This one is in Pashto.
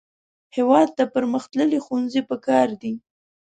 هېواد ته پرمختللي ښوونځي پکار دي